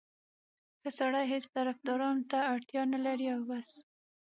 ښه سړی هېڅ طفدارانو ته اړتیا نه لري او بس.